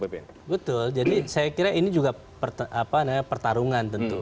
betul jadi saya kira ini juga pertarungan tentu